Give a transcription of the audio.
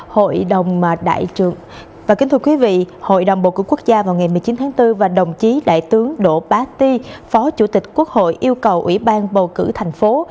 hội đồng đại trưởng và đồng chí đại tướng đỗ bá ti phó chủ tịch quốc hội yêu cầu ủy ban bầu cử thành phố